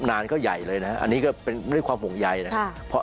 นานก็ใหญ่เลยนะอันนี้ก็เป็นด้วยความห่วงใยนะครับ